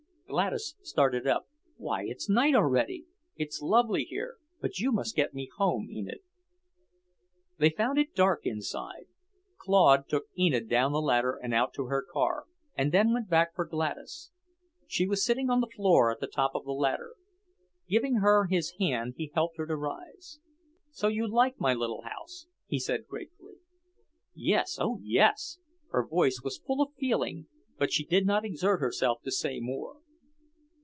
Gladys started up. "Why, it's night already! It's lovely here, but you must get me home, Enid." They found it dark inside. Claude took Enid down the ladder and out to her car, and then went back for Gladys. She was sitting on the floor at the top of the ladder. Giving her his hand he helped her to rise. "So you like my little house," he said gratefully. "Yes. Oh, yes!" Her voice was full of feeling, but she did not exert herself to say more.